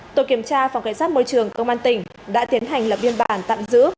tổ kiểm tra phòng cảnh sát môi trường công an tỉnh đã tiến hành lập biên bản tạm giữ